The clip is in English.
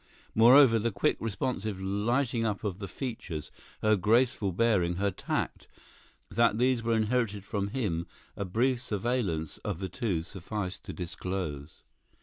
Moreover, the quick, responsive lighting up of the features, her graceful bearing, her tact—that these were inherited from him a brief surveillance of the two sufficed to disclose.